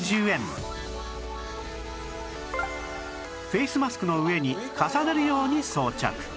フェイスマスクの上に重ねるように装着